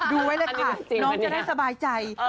ดูไว้เลยค่ะน้องจะได้สบายใจ